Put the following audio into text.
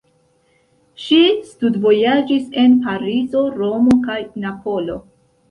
Ŝi studvojaĝis en Parizo, Romo kaj Napolo.